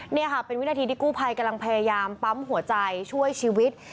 นี่ค่ะเป็นวินาทีที่กู้ภัยกำลังพยายามปั๊มหัวใจช่วยชีวิต